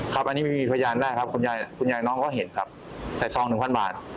ครับอันนี้ไม่มีพยานได้ครับคุณยายน้องก็เห็นครับใส่ซอง๑๐๐๐บาท